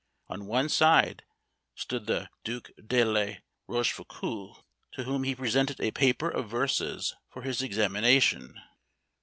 On one side stood the Duke de la Rochefoucault, to whom he presented a paper of verses for his examination.